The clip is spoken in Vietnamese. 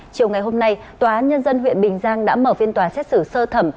chiều ngày hôm nay tòa nhân dân huyện bình giang đã mở phiên tòa xét xử sơ thẩm